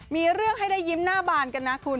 มีเรื่องให้ได้ยิ้มหน้าบานกันนะคุณ